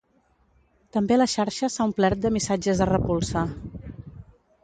També la xarxa s’ha omplert de missatges de repulsa.